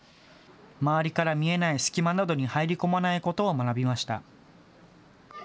周りから見えない隙間などに入り込まないことを学びました。